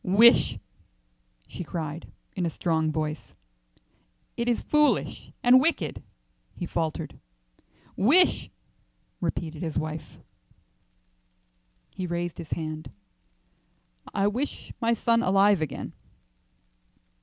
"Wish!" she cried, in a strong voice. "It is foolish and wicked," he faltered. "Wish!" repeated his wife. He raised his hand. "I wish my son alive again."